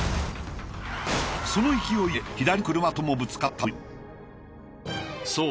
その勢いで左の車ともぶつかったという。